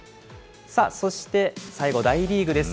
そして最後、大リーグです。